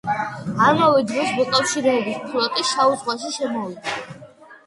ამავე დროს მოკავშირეების ფლოტი შავ ზღვაში შემოვიდა.